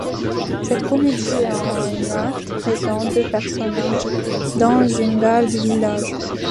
Cette comédie en un acte présente deux personnages dans une gare de village.